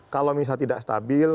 kalau misalnya tidak stabil